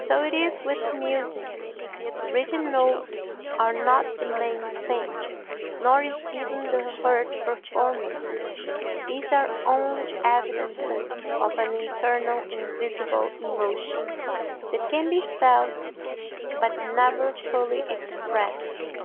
So it is with music, the written notes are not the main thing, nor is even the heard performance; these are only evidences of an internal invisible emotion that can be felt but never fully expressed.